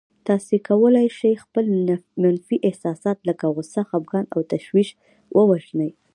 تاسې کولای شئ خپل منفي احساسات لکه غوسه، خپګان او تشويش ووژنئ.